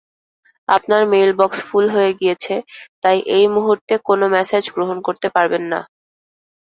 আপনার mailbox full হয়ে গিয়েছে তাই এই মূহুর্তে কোন মেসেজ গ্রহণ করতে পারবেন না।